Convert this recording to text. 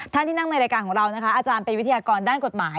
ท่านที่นั่งในรายการของเรานะคะอาจารย์เป็นวิทยากรด้านกฎหมาย